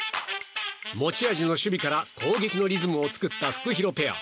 持ち味の守備から攻撃のリズムを作ったフクヒロペア。